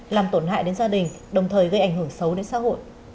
làm tổn hại đến gia đình đồng thời gây ảnh hưởng xấu đến xã hội